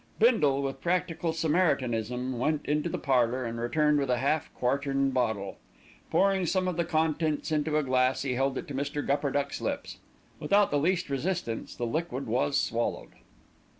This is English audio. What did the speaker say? Bindle with practical samaritanism went into the parlour and returned with a half quartern bottle. Pouring some of the contents into a glass he held it to Mr. Gupperduck's lips. Without the least resistance the liquid was swallowed.